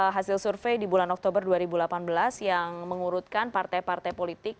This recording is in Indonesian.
hasil survei di bulan oktober dua ribu delapan belas yang mengurutkan partai partai politik